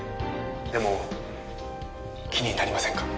でも気になりませんか？